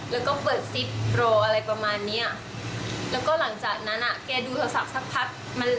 แล้วก็เปิดซิปรออะไรประมาณเนี้ยแล้วก็หลังจากนั้นอ่ะแกดูโทรศัพท์สักพักมัน